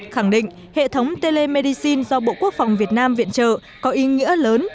khẳng định hệ thống telemedicine do bộ quốc phòng việt nam viện trợ có ý nghĩa lớn